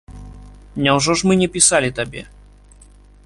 Няўжо ж мы не пісалі табе?